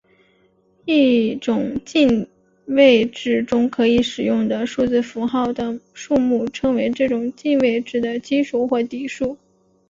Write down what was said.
一种进位制中可以使用的数字符号的数目称为这种进位制的基数或底数。